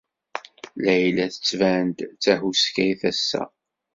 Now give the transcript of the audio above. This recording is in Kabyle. Layla tettban-d d tahuskayt ass-a.